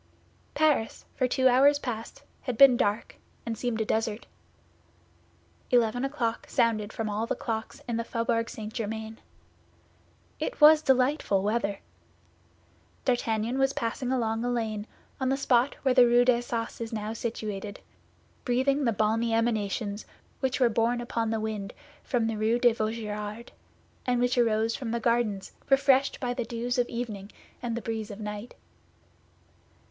Paris for two hours past had been dark, and seemed a desert. Eleven o'clock sounded from all the clocks of the Faubourg St. Germain. It was delightful weather. D'Artagnan was passing along a lane on the spot where the Rue d'Assas is now situated, breathing the balmy emanations which were borne upon the wind from the Rue de Vaugirard, and which arose from the gardens refreshed by the dews of evening and the breeze of night.